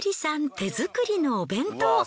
手作りのお弁当。